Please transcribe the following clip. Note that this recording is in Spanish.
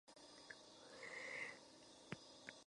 Fue enterrado en el Cementerio Woodlawn de El Bronx, Nueva York.